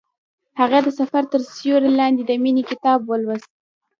هغې د سفر تر سیوري لاندې د مینې کتاب ولوست.